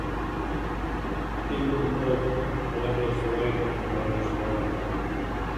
Pinoak what is right and what is wrong.